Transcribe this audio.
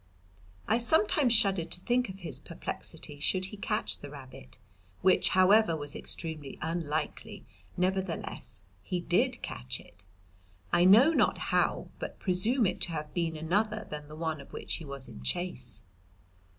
"I sometimes shuddered to think of his perplexity should he catch the rabbit, which however was extremely unlikely; nevertheless he did catch it, I know not how, but presume it to have been another than the one of which he was in chase.